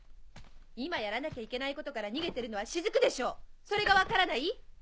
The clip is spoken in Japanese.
今やらなきゃいけないことから逃げてるのは雫でしょそれが分からない？